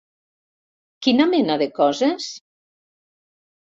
Quina mena de coses?